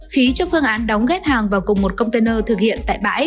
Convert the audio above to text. phí cho phương án đóng ghép hàng vào cùng một container thực hiện tại bãi